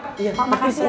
pak makasih ya pak